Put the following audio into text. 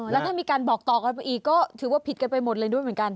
แล้วถ้ามีการบอกต่อกันไปอีกก็ถือว่าผิดกันไปหมดเลยด้วยเหมือนกัน